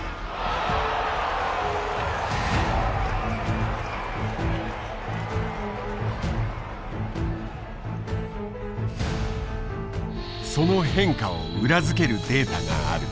その変化を裏付けるデータがある。